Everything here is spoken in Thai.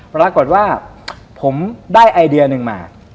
ปรากฏว่าผมได้ไอเดียหนึ่งมา